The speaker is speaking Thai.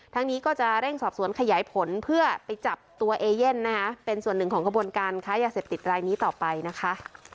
นี้ก็จะเร่งสอบสวนขยายผลเพื่อไปจับตัวเอเย่นนะคะเป็นส่วนหนึ่งของกระบวนการค้ายาเสพติดรายนี้ต่อไปนะคะ